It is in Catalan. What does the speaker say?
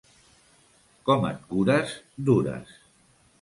Com et cures, dures.